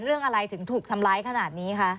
เรื่องอะไรถึงถูกทำร้ายขนาดนี้คะ